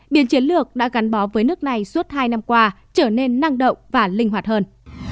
biên chiến lược đã gắn bó với nước này suốt hai năm qua trở nên năng động và linh hoạt hơn